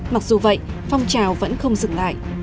mặc dù vậy phong trào vẫn không dừng lại